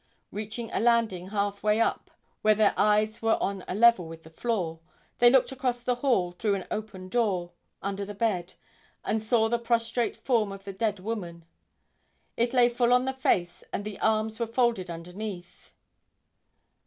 Reaching a landing half way up where their eyes were on a level with the floor, they looked across the hall, through an open door, under the bed, and saw the prostrate form of the dead woman. It lay full on the face and the arms were folded underneath.